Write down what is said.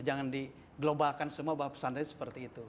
jangan diglobalkan semua bahwa pesantren seperti itu